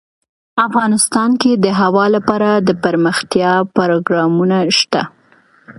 افغانستان کې د هوا لپاره دپرمختیا پروګرامونه شته.